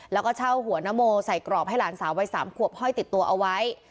แล้วก็เช่าหัวนโมใส่กรอบให้หลานสาววัย๓ขวบห้อยติดตัวเอาไว้